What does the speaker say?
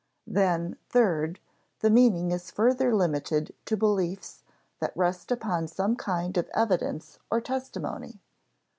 Then, third, the meaning is further limited to beliefs that rest upon some kind of evidence or testimony.